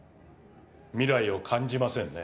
未来を感じませんね。